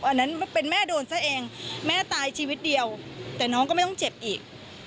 อันนั้นเป็นแม่โดนซะเองแม่ตายชีวิตเดียวแต่น้องก็ไม่ต้องเจ็บอีก